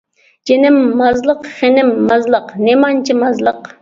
جېنىم مازلىق، خېنىم مازلىق، نېمانچە مازلىق.